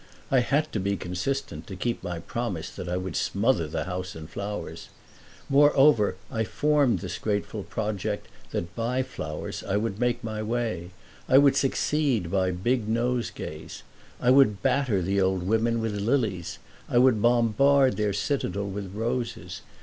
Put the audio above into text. I had to be consistent, to keep my promise that I would smother the house in flowers. Moreover I formed this graceful project that by flowers I would make my way I would succeed by big nosegays. I would batter the old women with lilies I would bombard their citadel with roses.